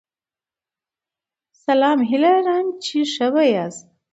سلام هیله لرم چی ښه به یاست